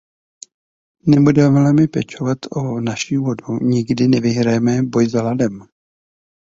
Nebudeme-li pečovat o naši vodu, nikdy nevyhrajeme boj s hladem.